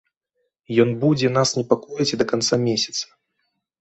Ён будзе нас непакоіць да канца месяца.